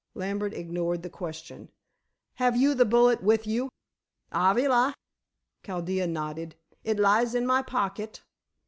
Lambert ignored the question. "Have you the bullet with you?" "Avali," Chaldea nodded. "It lies in my pocket."